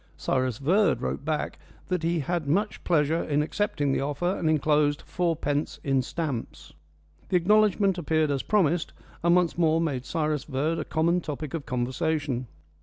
Cyrus Verd wrote back that he had much pleasure in accepting the offer, and enclosed fourpence in stamps. The acknowledgment appeared as promised, and once more made Cyrus Verd a common topic of conversation.